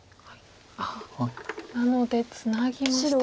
ああなのでツナぎました。